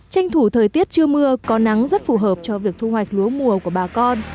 tranh thủ thời tiết chưa mưa có nắng rất phù hợp cho việc thu hoạch lúa mùa của bà con